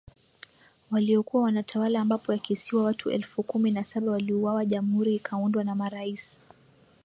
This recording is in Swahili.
waliokuwa wanatawala ambapo yakisiwa watu elfu kumi na saba waliuawa Jamhuri ikaundwa na marais